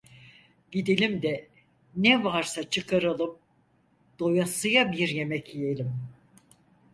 Gidelim de ne varsa çıkaralım, doyasıya bir yemek yiyelim…